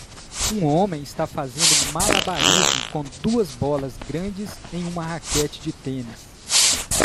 Um homem está fazendo malabarismos com duas bolas grandes e uma raquete de tênis.